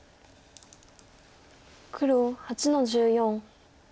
黒８の十四。